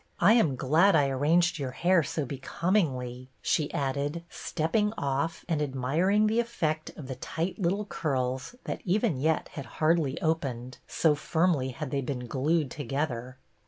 I am glad I arranged your hair so becomingly," she added, stepping off and ad miring the effect of the tight little curls that even yet had hardly opened, so firmly had they been glued together.